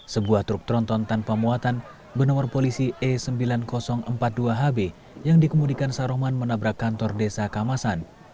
sebuah truk tronton tanpa muatan benomor polisi e sembilan ribu empat puluh dua hb yang dikemudikan sarohman menabrak kantor desa kamasan